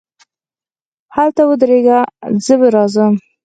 هلته ودرېږه، زه راځم.